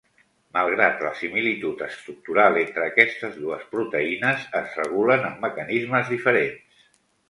Malgrat la similitud estructural entre aquestes dues proteïnes, es regulen amb mecanismes diferents.